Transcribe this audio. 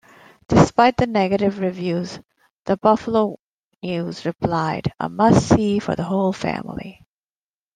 Despite the negative reviews, "The Buffalo News" replied "A must-see for the whole family!